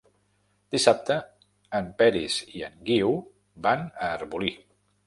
Dissabte en Peris i en Guiu van a Arbolí.